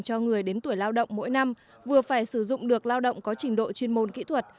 cho người đến tuổi lao động mỗi năm vừa phải sử dụng được lao động có trình độ chuyên môn kỹ thuật